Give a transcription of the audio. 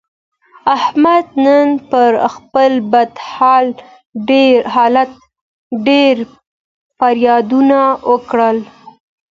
احمد نن پر خپل بد حالت ډېر فریادونه وکړل.